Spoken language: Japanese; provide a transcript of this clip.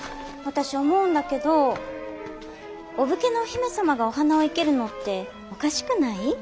私思うんだけどお武家のお姫様がお花を生けるのっておかしくない？